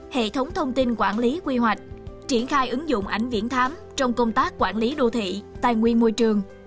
hệ thống thông tin quản lý quy hoạch triển khai ứng dụng ảnh viễn thám trong công tác quản lý đô thị tài nguyên môi trường